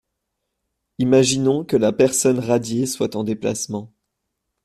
Imaginons que la personne radiée soit en déplacement.